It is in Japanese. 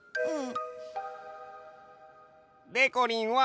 うん。